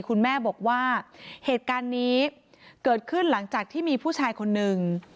คุณแม่บอกว่าเหตุการณ์นี้เกิดขึ้นหลังจากที่มีผู้ชายคนนึง